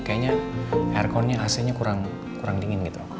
kayaknya aircon nya ac nya kurang dingin gitu